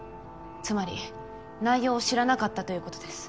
つまり内容を知らなかったということです。